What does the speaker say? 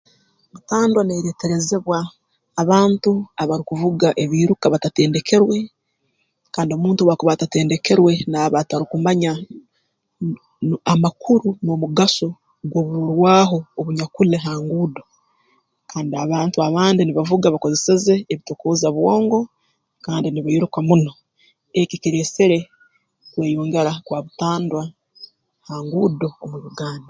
Butandwa neereterezebwa abantu abarukuvuga ebiiruka batatendekerwe kandi omuntu obu akuba atatendekerwe naaba atarukumanya mh amakuru n'omugaso gw'oburorwaho obunyakuli ha nguudo kandi n'abantu abandi nibavuga bakoseze ebitokooza bwongo kandi nibairuka muno eki kireesere kweyongera kwa butandwa ha nguudo omu Uganda